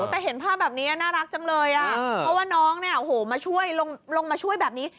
แต่เห็นภาพแบบนี้น่ารักจังเลยอ่ะเพราะว่าน้องเนี่ยโอ้โหมาช่วยลงมาช่วยแบบนี้